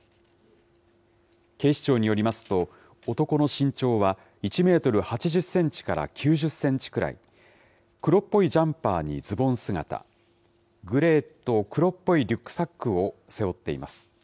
警視庁によりますと、男の身長は１メートル８０センチから９０センチくらい、黒っぽいジャンパーにズボン姿、グレーと黒っぽいリュックサックを背負っています。